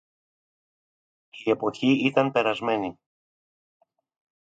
Η εποχή ήταν περασμένη